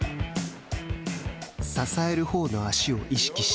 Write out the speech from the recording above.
支えるほうの足を意識して。